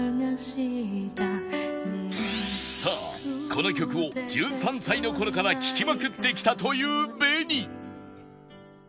さあこの曲を１３歳の頃から聴きまくってきたという ＢＥＮＩ